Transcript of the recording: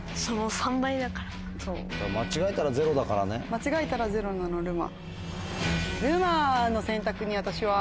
間違えたらゼロなのるま。